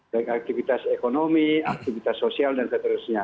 baik aktivitas ekonomi aktivitas sosial dan seterusnya